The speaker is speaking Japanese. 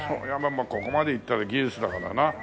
ここまでいったら技術だからな。